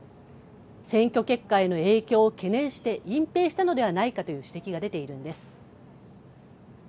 選挙結果への影響を懸念して隠蔽したのではないかという指摘が出ているんです。